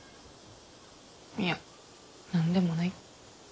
いや何でもない。